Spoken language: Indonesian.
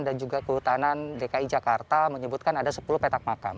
dan juga kehutanan dki jakarta menyebutkan ada sepuluh petak makam